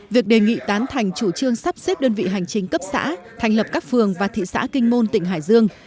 việc đề nghị tán thành chủ trương sắp xếp đơn vị hành chính cấp xã thành lập các phường và thị xã kinh môn tỉnh hải dương